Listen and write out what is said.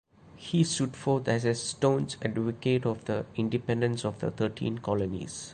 He stood forth as a staunch advocate of the independence of the Thirteen Colonies.